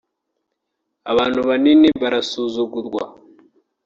“abantu banini barasuzugurwa